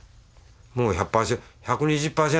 もう１００％１２０％